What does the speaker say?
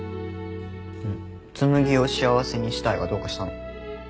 んっ紬を幸せにし隊がどうかしたの？